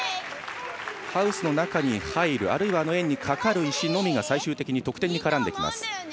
ハウスの中に入るあるいはあの円にかかる石のみが最終的に得点に絡んできます。